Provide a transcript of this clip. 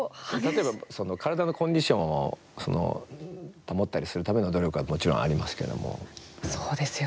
例えば体のコンディションを保ったりするための努力はもちろんありますけども。